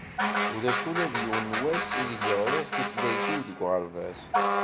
Ulac ula d yiwen n wass i deg i ɣriɣ tutlayt-iw deg uɣerbaz.